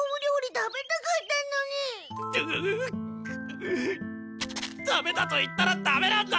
ダメだと言ったらダメなんだ！